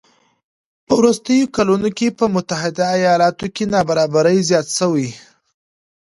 په وروستیو کلونو کې په متحده ایالاتو کې نابرابري زیاته شوې